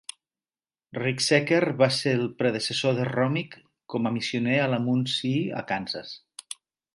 Ricksecker va ser el predecessor de Romig com a missioner a la Munsee a Kansas.